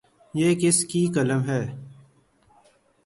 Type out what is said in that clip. یہ کس کی قلم ہے ؟